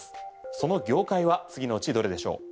その業界は次のうちどれでしょう。